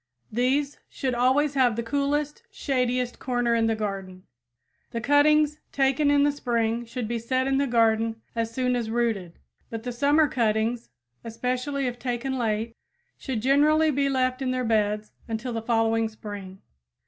These should always have the coolest, shadiest corner in the garden. The cuttings taken in the spring should be set in the garden as soon as rooted; but the summer cuttings, especially if taken late, should generally be left in their beds until the following spring.